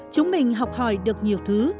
chúng mình học hỏi được nhiều thứ